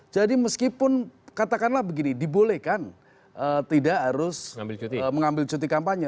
jadi meskipun katakanlah begini dibolehkan tidak harus mengambil cuti kampanye